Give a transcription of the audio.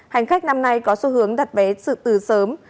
hành khách năm nay có xu hướng đặt vé sự từ sớm